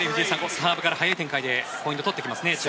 サーブから速い展開でポイントを取ってきますね。